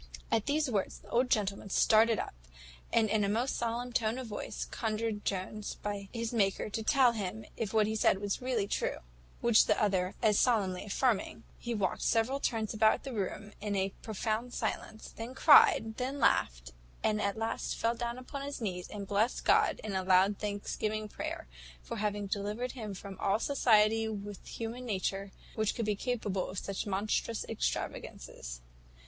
At these words the old gentleman started up, and in a most solemn tone of voice, conjured Jones by his Maker to tell him if what he said was really true; which the other as solemnly affirming, he walked several turns about the room in a profound silence, then cried, then laughed, and at last fell down on his knees, and blessed God, in a loud thanksgiving prayer, for having delivered him from all society with human nature, which could be capable of such monstrous extravagances.